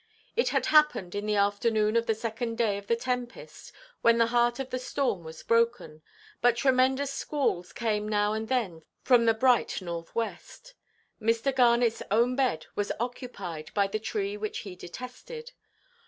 It had happened in the afternoon of the second day of the tempest; when the heart of the storm was broken, but tremendous squalls came now and then from the bright north–west. Mr. Garnetʼs own bed was occupied by the tree which he detested.